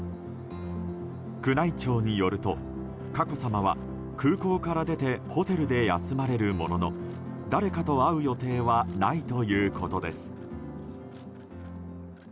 宮内庁によると佳子さまは空港から出てホテルで休まれるものの誰かと会う予定はないということです。